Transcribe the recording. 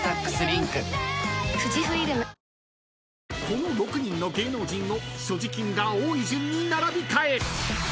［この６人の芸能人の所持金が多い順に並び替え］